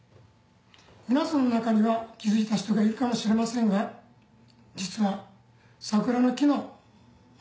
皆さんの中には気付いた人がいるかもしれませんが実は。